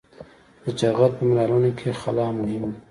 د جغل په منرالونو کې خلا مهمه ده